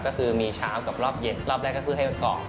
ก็คือมีเช้ากับรอบเย็นรอบแรกก็คือให้เกาะ